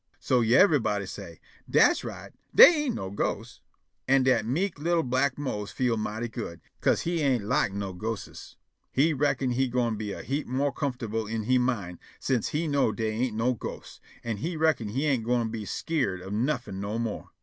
So yiver'body say': "Das right; dey ain' no ghosts." An' dat mek' li'l' black Mose feel mighty good, 'ca'se he ain' lak ghostes. He reckon' he gwine be a heap mo' comfortable in he mind sence he know' dey ain' no ghosts, an' he reckon' he ain' gwine be skeered of nuffin' never no more.